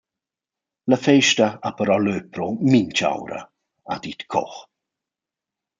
«La festa ha però lö pro minch’ora», ha dit Koch.